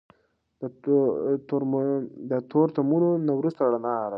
د تورتمونو نه وروسته رڼا راځي.